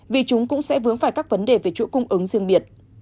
vì chúng cũng sẽ vướng phải các vấn đề về chuỗi cung ứng riêng biệt